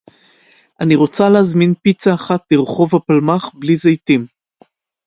אני רוצה להזמין פיצה אחת לרחוב הפלמח בלי זיתים